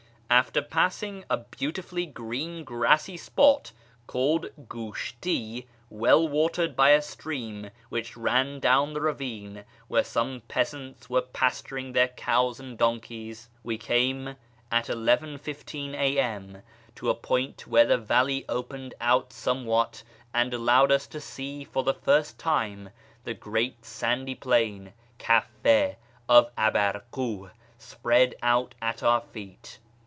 After passing a beautifully green grassy spot called Giishti, well watered by a stream which ran down the ravine, where some peasants were pasturing their cows and donkeys, we came, at 11.15 FROM SHIrAz to YEZD 349 A.M., to a point where tlie valley opened out somewhat and allowed us to see for the first time the great sandy plain {kaff6) of Abarkuh spread out at our feet.